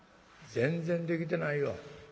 全然できてないよ。